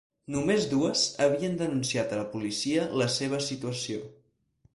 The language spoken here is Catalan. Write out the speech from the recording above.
Només dues havien denunciat a la policia la seva situació.